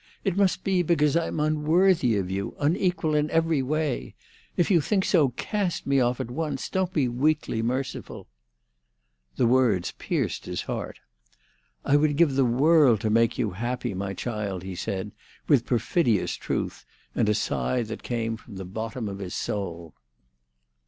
It must be because I'm unworthy of you—unequal every way. If you think so, cast me off at once. Don't be weakly merciful!" The words pierced his heart. "I would give the world to make you happy, my child!" he said, with perfidious truth, and a sigh that came from the bottom of his soul.